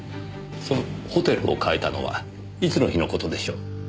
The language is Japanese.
そのホテルを変えたのはいつの日の事でしょう？